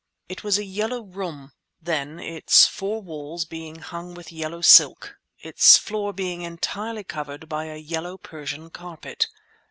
It was a yellow room, then, its four walls being hung with yellow silk, its floor being entirely covered by a yellow Persian carpet.